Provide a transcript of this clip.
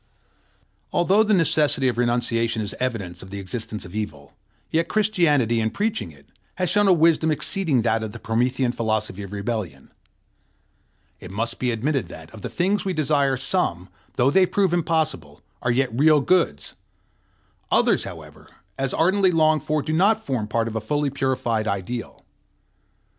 Although the necessity of renunciation is evidence of the existence of evil, yet Christianity, in preaching it, has shown a wisdom exceeding that of the Promethean philosophy of rebellion. It must be admitted that, of the things we desire, some, though they prove impossible, are yet real goods; others, however, as ardently longed for, do not form part of a fully purified ideal.